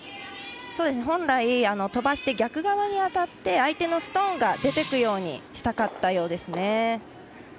本来、飛ばして逆側に当たって相手のストーンが出ていくようにしたかったようですね。